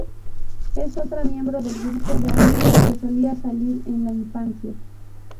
Es otra miembro del grupo de amigos que solía salir en la infancia.